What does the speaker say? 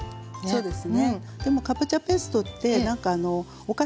そうです。